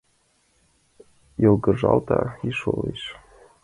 Йылгыжалта и шолеш.